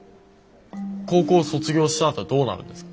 高校卒業したあとはどうなるんですか？